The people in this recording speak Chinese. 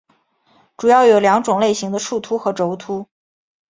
主要有两种类型的树突和轴突。